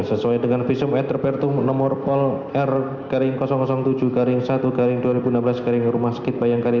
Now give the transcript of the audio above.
sesuai dengan visum et repertum nomor pol r garing tujuh garing satu garing dua ribu enam belas garing rumah sakit bayangkari